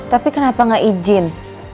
tapi kenapa gak izin